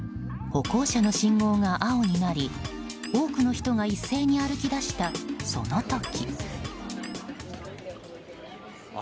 歩行者の信号が青になり多くの人が一斉に歩き出したその時。